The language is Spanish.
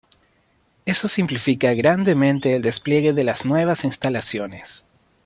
Eso simplifica grandemente el despliegue para las nuevas instalaciones.